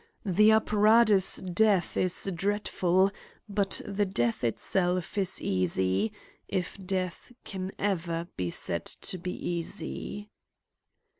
The apparatus death is dreadful ; but the death itself is easv, if death can ever be said to be easy.